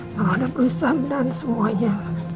mama udah berusaha melarikan semuanya